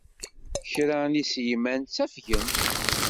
Kra n yiselman ttafgen.